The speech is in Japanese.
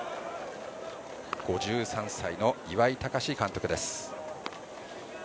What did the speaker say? ５３歳の岩井隆監督です。